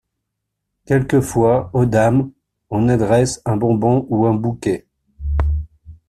Quelquefois, aux dames, on adresse un bonbon ou un bouquet.